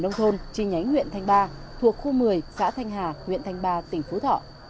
nông thôn chi nhánh huyện thanh ba thuộc khu một mươi xã thanh hà huyện thanh ba tỉnh phú thọ